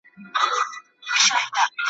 دې بېدردو ته به ولي د ارمان کیسه کومه `